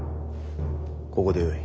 ここでよい。